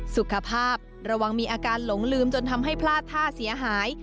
สุขภาพระวังมีอาการหลงลืมจนทำให้พลาดท่าเสียหาย